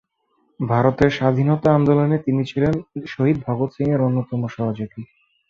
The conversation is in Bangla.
ভারতের স্বাধীনতা আন্দোলনে তিনি ছিলেন শহীদ ভগৎ সিং এর অন্যতম সহযোগী।